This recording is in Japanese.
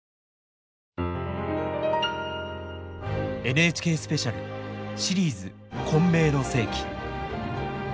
ＮＨＫスペシャルシリーズ「混迷の世紀」。